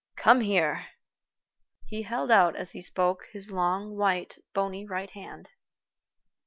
"Come here!" He held out, as he spoke, his long, white, bony right hand.